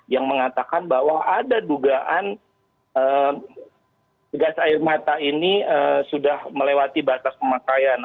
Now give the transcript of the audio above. yang mengatakan bahwa ada dugaan gas air mata ini sudah melewati batas pemakaian